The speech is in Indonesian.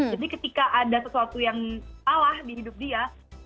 jadi ketika ada sesuatu yang salah di hidup dia